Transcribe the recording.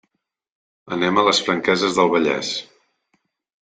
Anem a les Franqueses del Vallès.